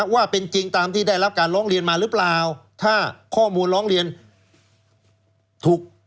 ว่าเป็นจริงตามที่ได้รับการร้องเรียนมาหรือเปล่าถ้าข้อมูลร้องเรียนถูก